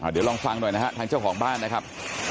เดี๋ยวลองฟังหน่อยนะฮะทางเจ้าของบ้านนะครับ